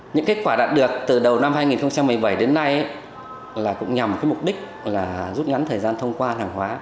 những kết quả đạt được từ đầu năm hai nghìn một mươi bảy đến nay cũng nhằm mục đích rút ngắn thời gian thông qua hàng hóa